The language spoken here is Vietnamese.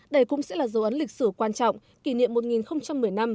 đây cũng sẽ là dấu ấn lịch sử quan trọng kỷ niệm một nghìn một mươi năm